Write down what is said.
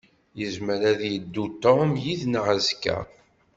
Yezmer ad yeddu Tom yid-neɣ azekka.